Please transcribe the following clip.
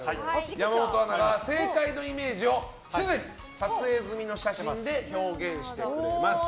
山本アナが正解のイメージをすでに撮影済みの写真で表現しております。